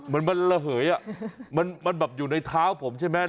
มันเหลือเหยอ่ะมันแบบอยู่ในเท้าผมใช่ไหม